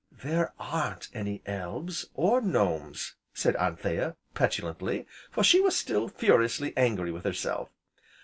"There aren't any elves, or gnomes," said Anthea petulantly, for she was still furiously angry with herself.